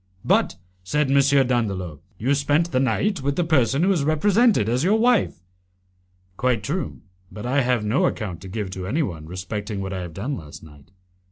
"But," said M. Dandolo, "you spent the night with the person who is represented as your wife?" "Quite true, but I have no account to give to anyone respecting what I have done last night.